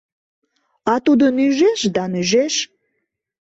А тудо нӱжеш да нӱжеш.